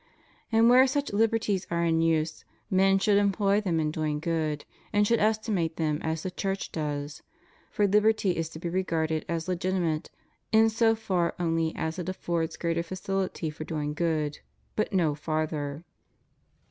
And where such liberties are in use, men should employ them in doing good, and should estimate them as the Church does; for liberty is to be regarded as legitimate in so far only as it affords greater facility for doing good, but no farther.